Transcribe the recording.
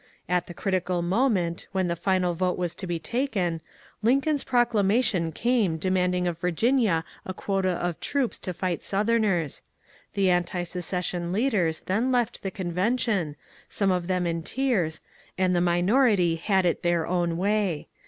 At the critical moment, when the final vote was about to be taken, Lincoln's proclamation came demanding of Virginia a quota of troops to fight Southerners. The antisecession leaders then left the convention, some of them in tears, and the minority had it their own way.